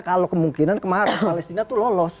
kalau kemungkinan kemarin palestina itu lolos